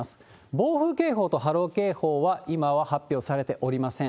暴風警報と波浪警報は、今は発表されておりません。